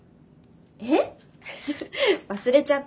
えっ？